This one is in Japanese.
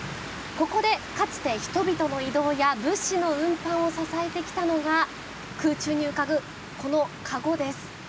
ここで、かつて人々の移動や物資の運搬を支えてきたのが空中に浮かぶこの籠です。